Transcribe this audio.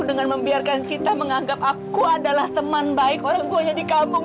dengan membiarkan cinta menganggap aku adalah teman baik orang tuanya di kamu